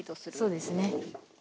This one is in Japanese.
そうですね。